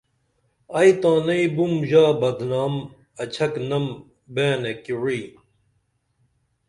ائی تانئیں بُم ژہ بدنام اچھک نم بئنہ کی وعی